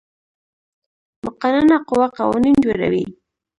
مقننه قوه قوانین جوړوي